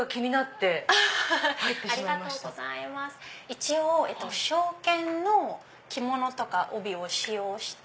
一応正絹の着物とか帯を使用して。